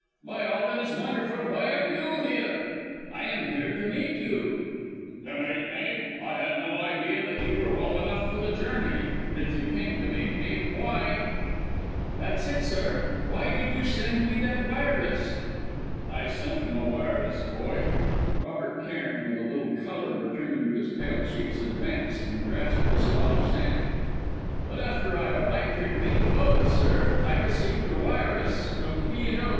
By all that is wonderful, why are you here?" "I am here to meet you." "To meet me! I had no idea that you were well enough for the journey, and if you came to meet me, why " "That's it, sir! Why did you send me that wireless?" "I sent no wireless, boy!" Robert Cairn, with a little colour returning to his pale cheeks, advanced and grasped his father's hand. "But after I arrived here to meet the boat, sir I received a wireless from the P. and O.